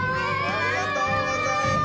ありがとうございます。